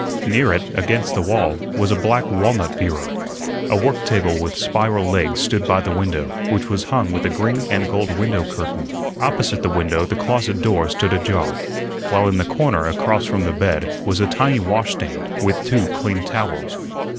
Near it, against the wall, was a black walnut bureau. A work table with spiral legs stood by the window, which was hung with a green and gold window curtain. Opposite the window the closet door stood ajar, while in the corner across from the bed was a tiny washstand with two clean towels.